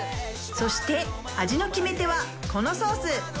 そして味の決め手はこのソース！